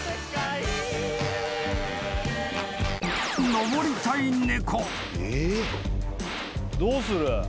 ［登りたい猫］